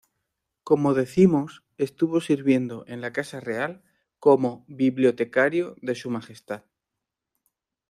Como decimos, estuvo sirviendo en la Casa Real como bibliotecario de Su Majestad.